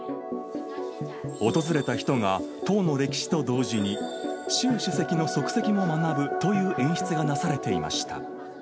訪れた人が党の歴史と同時に、習主席の足跡を学ぶという演出がなされていました。